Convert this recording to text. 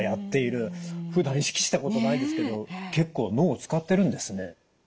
ふだん意識したことないですけど結構脳を使ってるんですね。